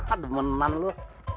aduh menenang lu